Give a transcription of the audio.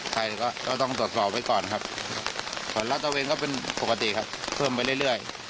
ใครก็ต้องตรวจสอบไว้ก่อนครับก่อนลาดตะเวนก็เป็นปกติครับเพิ่มไปเรื่อย